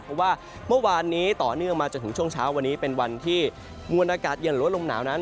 เพราะว่าเมื่อวานนี้ต่อเนื่องมาจนถึงช่วงเช้าวันนี้เป็นวันที่มวลอากาศเย็นหรือว่าลมหนาวนั้น